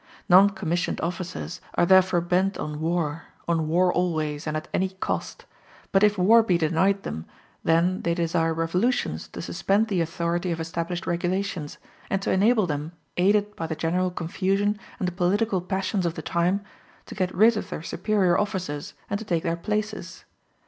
Non commissioned officers are therefore bent on war on war always, and at any cost; but if war be denied them, then they desire revolutions to suspend the authority of established regulations, and to enable them, aided by the general confusion and the political passions of the time, to get rid of their superior officers and to take their places.